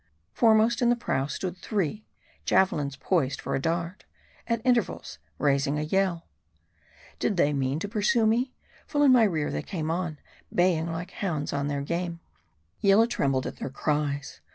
Foremost in the prow stood three ; javelins poised for a dart ; at intervals, raising a yell. VOL. i. H 170 MARDI. Did they mean to pursue me ? Full in my rear they came on, baying like hounds on their game. Yillah trem bled at their cries.